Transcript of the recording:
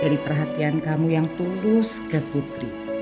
dari perhatian kamu yang tulus ke putri